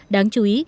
đáng chú ý